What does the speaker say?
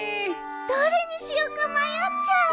どれにしようか迷っちゃう！